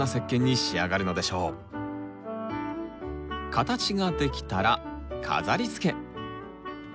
形が出来たら飾りつけ。